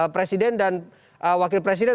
presiden dan wakil presiden